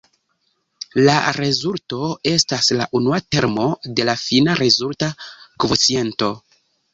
La rezulto estas la unua termo de la fina rezulta kvociento.